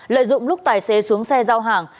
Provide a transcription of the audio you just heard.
lợi dụng lúc tài xế xuống xe giao hàng